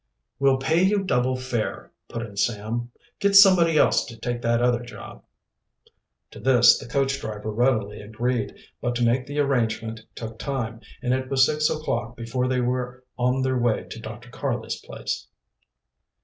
"We'll pay you double fare," put in Sam. "Get somebody else to take that other job." To this the coach driver readily agreed, but to make the arrangement took time, and it was six o'clock before they were on the way to Dr. Karley's place.